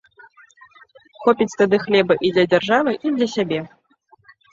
Хопіць тады хлеба і для дзяржавы, і для сябе!